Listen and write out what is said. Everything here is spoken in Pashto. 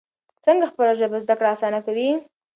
څنګه خپله ژبه زده کړه اسانه کوي؟